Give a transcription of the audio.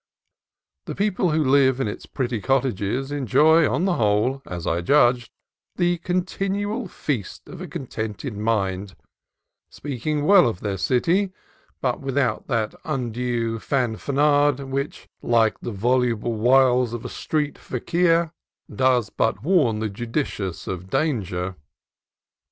The people who live in its pretty cottages en joy, on the whole, as I judged, the continual feast of a contented mind, speaking well of their city, but without that undue fanfaronade which, like the vol uble wiles of a street fakir, does but warn the judi cious of danger.